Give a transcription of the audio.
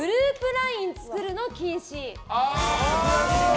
ＬＩＮＥ作るの禁止。